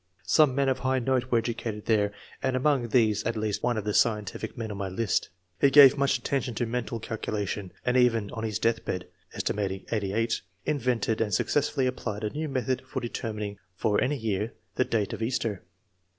Some men of high note were educated there, and, among these at least one of the scientific men on my list. He gave much attention to mental calculation, and even on his deathbed (set. 88) invented and successfully applied a new method for determin ing for any year the date of Easter.